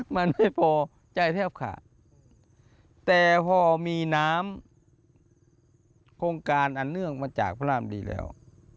มันไม่พอใจแทบขาดแต่พอมีน้ำโครงการอันเนื่องมาจากพระรามดีแล้ว